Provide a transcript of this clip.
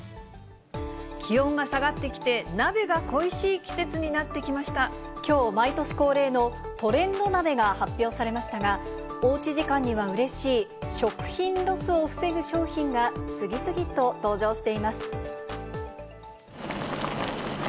気温が下がってきて、きょう、毎年恒例のトレンド鍋が発表されましたが、おうち時間にはうれしい、食品ロスを防ぐ商品が次々と登場しています。